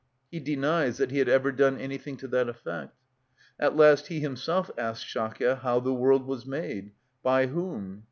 He denies that he had ever done anything to that effect. At last he himself asks Shakya how the world was made,—by whom?